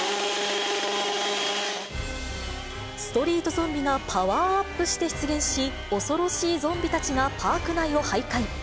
ストリート・ゾンビがパワーアップして出現し、恐ろしいゾンビたちがパーク内をはいかい。